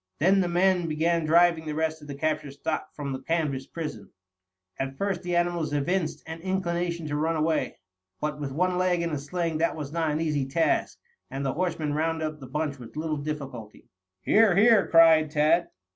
Then the men began driving the rest of the captured stock from the canvas prison. At first the animals evinced an inclination to run away. But with one leg in a sling this was not an easy task, and the horsemen rounded up the bunch with little difficulty. "Here, here!" cried Tad.